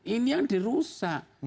ini yang dirusak